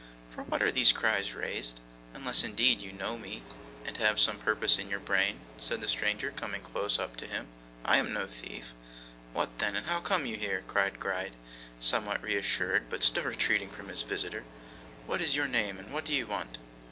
'For what are these cries raised? Unless indeed you know me, and have some purpose in your brain?' said the stranger, coming close up to him. 'I am no thief.' 'What then, and how come you here?' cried Gride, somewhat reassured, but still retreating from his visitor: 'what is your name, and what do you want?